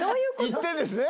１点ですね？